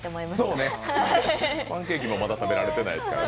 そうね、パンケーキもまだ食べられてないですからね。